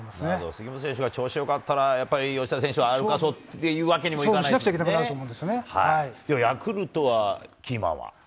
杉本選手が調子よかったら、やっぱり吉田選手は、あるかそう勝負しなくちゃいけなくなるではヤクルトのキーマンは？